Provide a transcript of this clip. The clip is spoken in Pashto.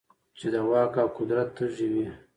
چـې د واک او قـدرت تـېږي وي .